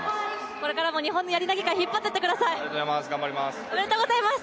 これからも日本のやり投げ界を引っ張っていってくださいおめでとうございます。